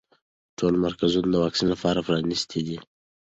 ټول مرکزونه د واکسین لپاره پرانیستي دي.